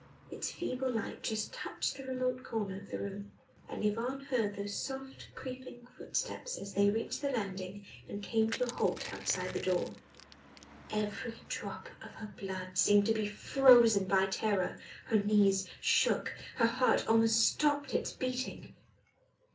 Its feeble light just touched the remote corner of the room. And Yvonne heard those soft, creeping footsteps as they reached the landing and came to a halt outside the door. Every drop of blood in her seemed to be frozen by terror: her knees shook: her heart almost stopped its beating.